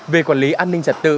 về quản lý an ninh trật tự